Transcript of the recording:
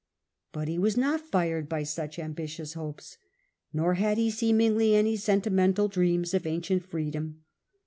But he was not fired by such ambitious hopes, nor had he had he been seemingly any sentimental dreams of ancient willing, freedom.